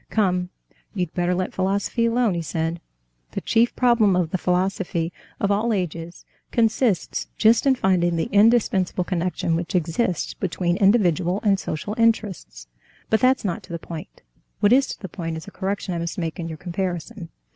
"Come, you'd better let philosophy alone," he said. "The chief problem of the philosophy of all ages consists just in finding the indispensable connection which exists between individual and social interests. But that's not to the point; what is to the point is a correction I must make in your comparison.